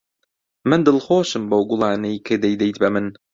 من دڵخۆشم بەو گوڵانەی کە دەیدەیت بە من.